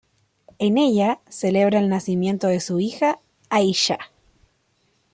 En ella, celebra el nacimiento de su hija, Aisha.